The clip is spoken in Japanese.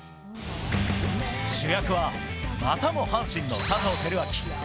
主役はまたも阪神の佐藤輝明。